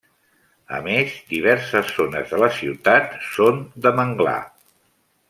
A més, diverses zones de la ciutat són de manglar.